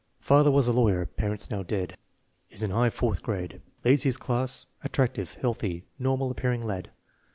Father was a lawyer, parents now dead. Is in high fourth grade. Leads his class. Attractive, healthy, normal appearing lad.